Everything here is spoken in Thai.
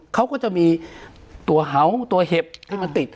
เขาก็จะมีตัวเห่าตัวเห็บที่มันติด